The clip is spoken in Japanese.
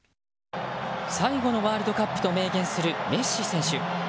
最後のワールドカップと明言するメッシ選手。